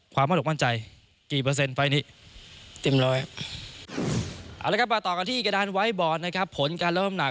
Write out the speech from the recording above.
ก็๑๒เก็บอาวุธก่อนก็๓๔ปร่ำทีอ่ะ